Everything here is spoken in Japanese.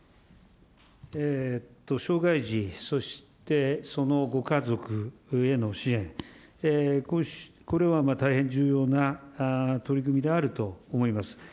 障害児、そしてそのご家族への支援、これは大変重要な取り組みであると思います。